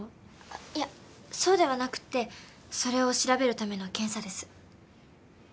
いやそうではなくってそれを調べるための検査です。